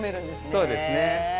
そうですね。